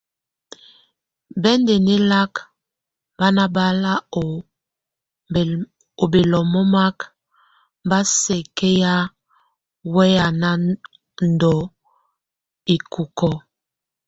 Bɛ́ndɛŋɛlak bá nabal ó beloŋomak bá sɛkéyanɛ wey a ndo hikokó.